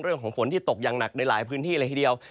ฝนที่ตกอย่างหนักในหลายพื้นที่เลยทีเดียว